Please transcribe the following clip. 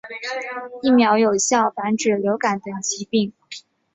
疫苗有效防止流感等疾病。